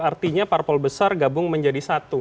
artinya parpol besar gabung menjadi satu